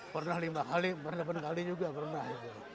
pernah lima kali pernah delapan kali juga pernah